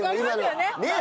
ねえ？